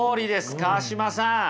川島さん。